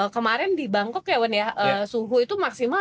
kemarin di bangkok ya wen ya suhu itu maksimal lima puluh dua